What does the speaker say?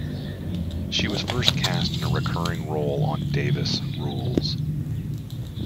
She was first cast in a recurring role on "Davis Rules".